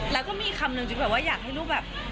แล้วก็มีคำนึงจิ๊บแบบว่าอยากให้ลูกแบบ